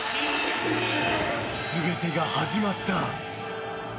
全てが始まった！